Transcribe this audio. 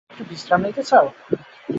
একটু বিশ্রাম নিতে চাও?